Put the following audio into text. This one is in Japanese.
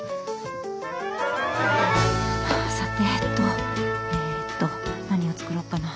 さてっとえっと何を作ろっかな。